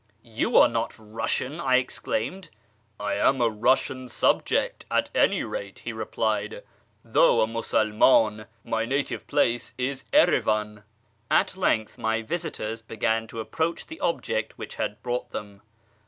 " You are not a Eussian," I exclaimed. " I am a Eussian subject, at any rate," he replied, " though a Musulman ; my native place is Erivan." At length my visitors began to approach the object which had brought them.